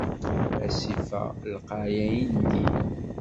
Asif-a lqay ayendin.